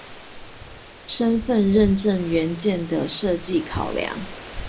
身分認證元件的設計考量